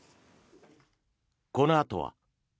このあとは。